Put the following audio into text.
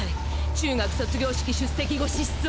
中学卒業式出席後失踪！